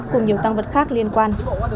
cùng nhiều tăng vật khác liên quan